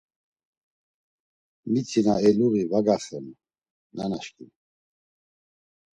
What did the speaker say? Miti na eyluği va gaxenu, nanaşǩimi.